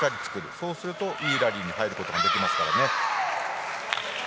そうすると、いいラリーに入ることができますから。